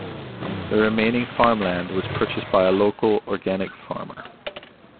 The remaining farmland was purchased by a local organic farmer.